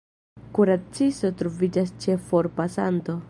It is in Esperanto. Kuracisto troviĝas ĉe forpasanto.